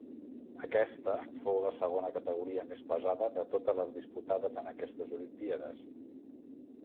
Aquesta fou la segona categoria més pesada de totes les disputades en aquestes olimpíades.